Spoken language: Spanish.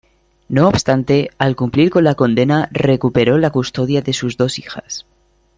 No obstante, al cumplir con la condena, recuperó la custodia de sus dos hijas.